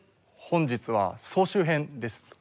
本日は総集編です。